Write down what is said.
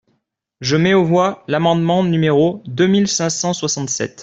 Je mets aux voix l’amendement numéro deux mille cinq cent soixante-sept.